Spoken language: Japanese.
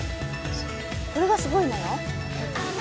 これがすごいのよ。